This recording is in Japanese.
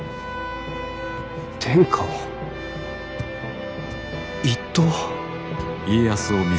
天下を一統？